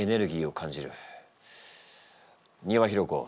丹羽裕子